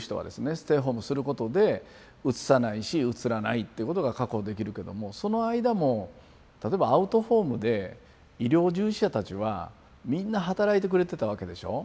ステイホームすることでうつさないしうつらないっていうことが確保できるけどもその間も例えばアウトホームで医療従事者たちはみんな働いてくれてたわけでしょ。